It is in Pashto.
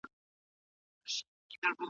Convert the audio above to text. پلان جوړونه بايد په ملي کچه پلي سي.